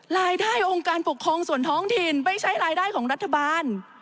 รายได้องค์การปกครองส่วนท้องถิ่นไม่ใช่รายได้ของรัฐบาล